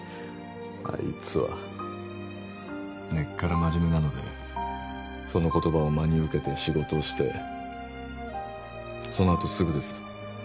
あいつは根っからまじめなのでその言葉を真に受けて仕事をしてそのあとすぐです